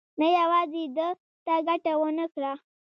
نه یوازې ده ته ګټه ونه کړه.